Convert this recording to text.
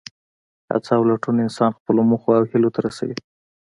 هڅه او لټون انسان خپلو موخو او هیلو ته رسوي.